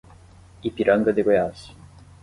Ipiranga de Goiás